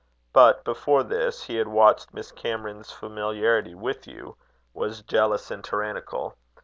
But, before this, he had watched Miss Cameron's familiarity with you was jealous and tyrannical.